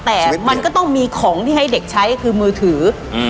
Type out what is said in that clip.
แต่มันก็ต้องมีของที่ให้เด็กใช้คือมือถือ